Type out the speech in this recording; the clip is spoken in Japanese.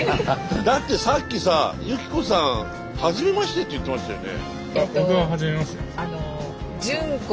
だってさっきさ由紀子さん「はじめまして」って言ってましたよね？